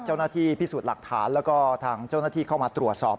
เจ้าหน้าที่พิสูจน์หลักฐานแล้วก็ทางเจ้าหน้าที่เข้ามาตรวจสอบ